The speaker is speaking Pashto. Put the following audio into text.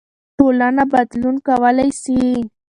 ټولنه بدلون کولای سي.